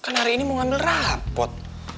kan hari ini mau ngambil rapot